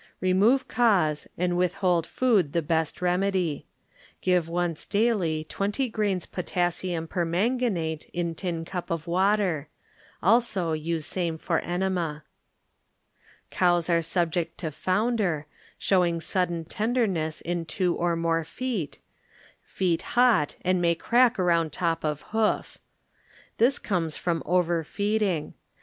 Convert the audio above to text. Remove cause and withhold food the best remedy. Give once daily twenty grains potassium per manganate in tincup of water; also use same for enema. Cows are subject to Founder, showing sudden tenderness in two or more feet; feet hot and may crack around t<v of hoof. This comes from overfeedii^.